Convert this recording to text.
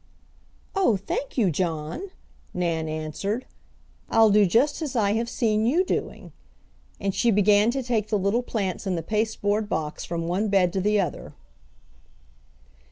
"Oh, thank you, John," Nan answered. "I'll do just as I have seen you doing," and she began to take the little plants in the pasteboard box from one bed to the other.